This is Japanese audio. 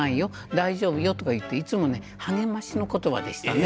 大丈夫よ」とか言っていつもね励ましの言葉でしたね。